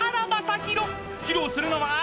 ［披露するのは］